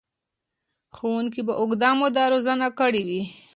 ښوونکي به اوږده موده روزنه کړې وي.